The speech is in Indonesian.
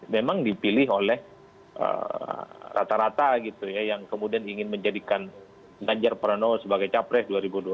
memang dipilih oleh rata rata yang kemudian ingin menjadikan ganjar prano sebagai capres